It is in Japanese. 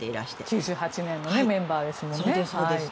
９８年のメンバーですもんね。